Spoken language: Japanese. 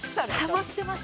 溜まってます。